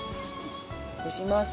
押します。